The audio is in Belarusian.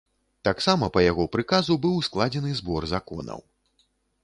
Таксама па яго прыказу быў складзены збор законаў.